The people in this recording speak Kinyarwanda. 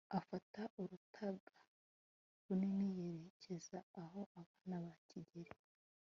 afata urugata runini, yerekeza aho abana ba kigeli